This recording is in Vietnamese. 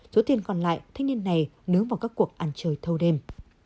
thứ tiền còn lại thích niên này nướng vào các cuộc ăn chơi thâu đêm